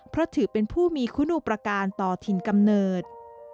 เพราะถือเป็นผู้มีคุณอุปการณ์ต่อถิ่นกำเนิด